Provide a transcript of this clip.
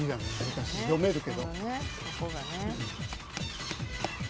読めるけど。